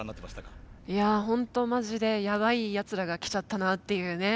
いやホントマジでやばいやつらが来ちゃったなっていうね。